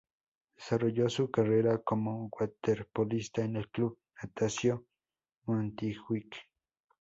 Desarrolló su carrera como waterpolista en el Club Natació Montjuïc.